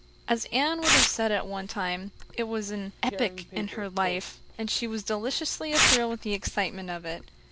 As Anne would have said at one time, it was "an epoch in her life," and she was deliciously athrill with the excitement of it.